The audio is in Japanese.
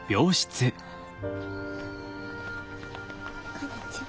こんにちは。